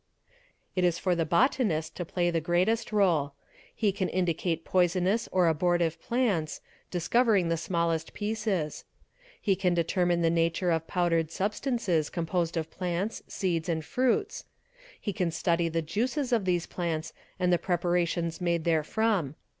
It is for the botanist to play the greatest réle ; he can indicate poisonous _ or abortive plants, discovering the smallest pieces; he can determine the nature of powdered substances composed of plants, seeds, and fruits; he can study the juices of these plants and the preparations made therefrom.